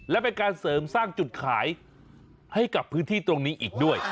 และเป็นการเสริมสร้างจุดขายให้กับพื้นที่ตรงนี้อีกด้วย